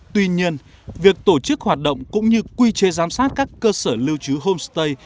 tuy nhiên việc tổ chức hoạt động cũng như quy chế giám sát các cơ sở lưu trú homestay